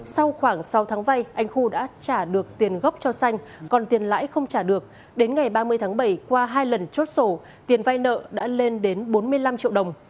sau khoảng sáu tháng vay anh khu đã trả được tiền gốc cho xanh còn tiền lãi không trả được đến ngày ba mươi tháng bảy qua hai lần chốt sổ tiền vay nợ đã lên đến bốn mươi năm triệu đồng